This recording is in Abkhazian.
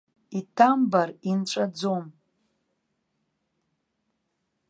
Иҭамбар инҵәаӡом.